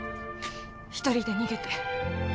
一人で逃げて